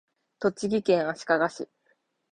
栃木県足利市